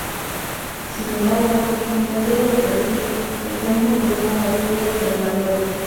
Sin embargo, mientras ella lo persigue, se encuentran con una patrulla de Salvadores.